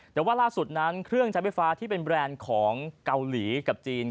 แต่ว่าล่าสุดนั้นเครื่องใช้ไฟฟ้าที่เป็นแบรนด์ของเกาหลีกับจีน